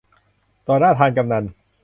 ต่อหน้าธารกำนัล